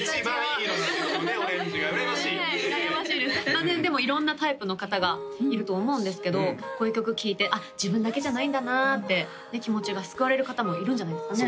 あねでも色んなタイプの方がいると思うんですけどこういう曲聴いて自分だけじゃないんだなって気持ちが救われる方もいるんじゃないですかね